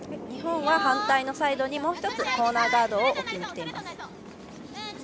日本は反対のサイドにもう１つ、コーナーガードを置きにきています。